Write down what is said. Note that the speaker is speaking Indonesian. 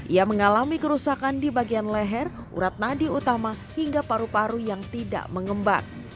ia mengalami kerusakan di bagian leher urat nadi utama hingga paru paru yang tidak mengembang